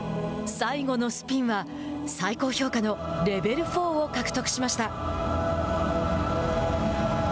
最後のスピンは最高評価のレベル４を獲得しました。